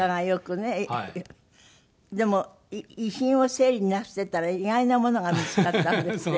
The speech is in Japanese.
でも遺品を整理なすってたら意外なものが見付かったんですって？